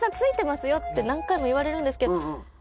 何回も言われるんですけど。